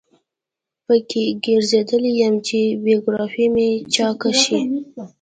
په کې ګرځیدلی یم چې بیوګرافي مې چاقه شي.